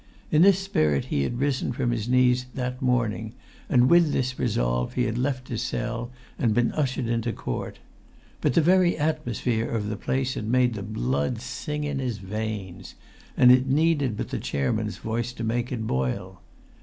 In this spirit he had risen from his knees that morning, and with this resolve he had left his cell and been ushered into court; but the very atmosphere of the place had made the blood sing in his veins; and it needed but the chairman's voice to make it boil.